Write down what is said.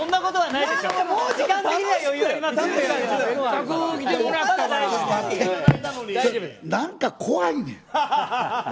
なんか怖いねん。